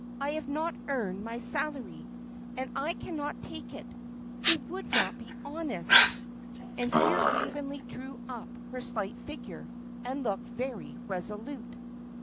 I have not earned my salary, and I cannot take it it would not be honest;" and here Waveney drew up her slight figure, and looked very resolute.